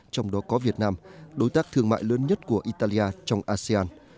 trong đó có việt nam đối tác thương mại lớn nhất của italia trong asean